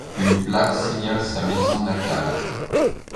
Une plaque signale sa maison natale.